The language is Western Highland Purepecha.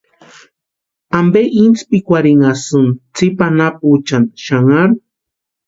¿Ampe intspikwarhinhasïni tsipa anapuechani xanharu?